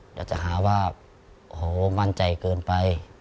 เดี๋ยวจะหาว่าโอ้โหมั่นใจเกินไป